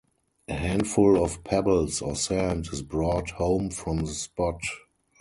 A handful of pebbles or sand is brought home from the spot.